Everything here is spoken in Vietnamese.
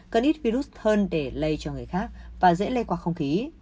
cần ít virus hơn để lây cho người khác và dễ lây qua không khí